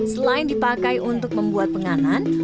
selain dipakai untuk membuat penganan